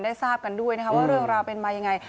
ทราบกันด้วยนะคะว่าเรื่องราวเป็นมายังไง